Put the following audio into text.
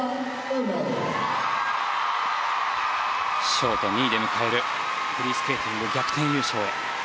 ショート２位で迎えるフリースケーティング逆転優勝へ。